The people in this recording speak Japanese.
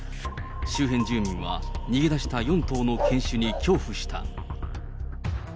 周辺住民は逃げ出した４頭の犬種に恐怖した。